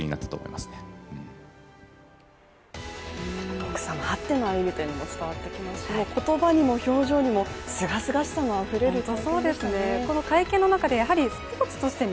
奥さまあっての歩みというのが伝わってきますしもう言葉にも表情にもすがすがしさがあふれる会見でしたね。